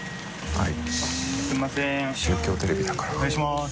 ・はい。